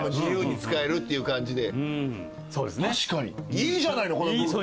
いいじゃないのこの物件。